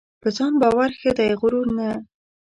په ځان باور ښه دی ؛غرور نه .